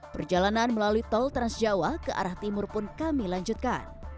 perjalanan melalui tol transjawa ke arah timur pun kami lanjutkan